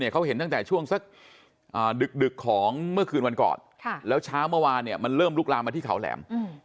เขาเห็นตั้งแต่ช่วงสักดึกของเมื่อคืนวันก่อนแล้วเช้าเมื่อวานมันเริ่มลุกลามมาที่เขาแหลม